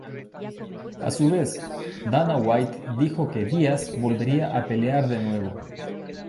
A su vez, Dana White dijo que Diaz volvería a pelear de nuevo.